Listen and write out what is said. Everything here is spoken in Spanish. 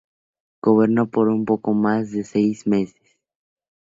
Gobernó por un poco más de seis meses.